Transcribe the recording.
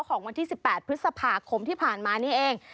ของวันที่๑๘พฤษภาคมที่ผ่านมานี่เอง